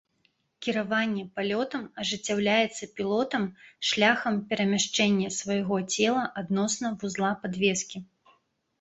Кіраванне палётам ажыццяўляецца пілотам шляхам перамяшчэння свайго цела адносна вузла падвескі.